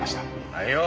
はいよ。